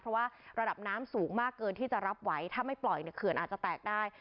เพราะว่าระดับน้ำสูงมากเกินที่จะรับไหวถ้าไม่ปล่อยเนี่ยเขื่อนอาจจะแตกได้